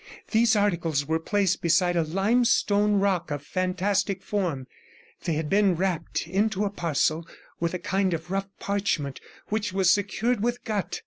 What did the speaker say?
These articles were placed beside a limestone rock of fantastic form; they had been wrapped into a parcel with a kind of rough parchment which was secured with gut.